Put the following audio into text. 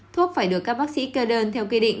thuốc phải được các bác sĩ kê đơn theo quy định